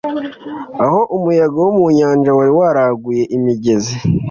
aho umuyaga wo mu nyanja wari waraguye imigezi